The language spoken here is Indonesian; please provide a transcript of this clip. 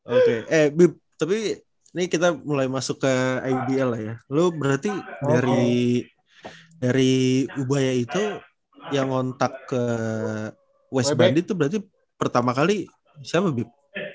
oke eh bip tapi ini kita mulai masuk ke ibl lah ya lo berarti dari ubaya itu yang ngontak ke west bandit itu berarti pertama kali sama bip